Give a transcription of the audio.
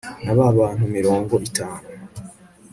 n'ab'abantu mirongo itanu